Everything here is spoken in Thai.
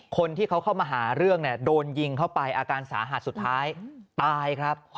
คนที่เขาเข้ามาหาเรื่องเนี่ยโดนยิงเข้าไปอาการสาหัสสุดท้ายตายครับ